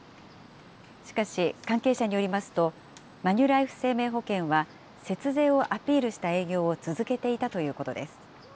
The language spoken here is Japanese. しかし関係者によりますと、マニュライフ生命保険は、節税をアピールした営業を続けていたということです。